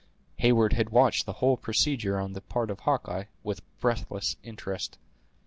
Heyward had watched the whole procedure, on the part of Hawkeye, with breathless interest.